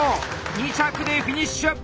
２着でフィニッシュ！